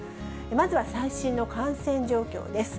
まずは最新の感染状況です。